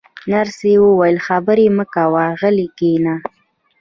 نرسې وویل: خبرې مه کوه، غلی کښېنه.